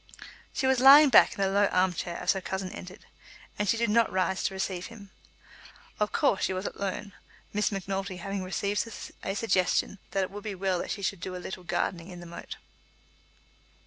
She was lying back in a low arm chair as her cousin entered, and she did not rise to receive him. Of course she was alone, Miss Macnulty having received a suggestion that it would be well that she should do a little gardening in the moat.